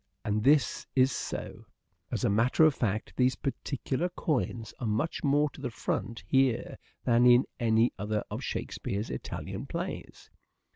And this is so. As a matter of fact these particular coins are much more to the front here than in any other of Shakespeare's Italian plays.